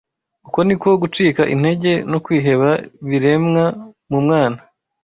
Uko ni ko gucika intege no kwiheba biremwa mu mwana